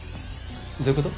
どういうこと？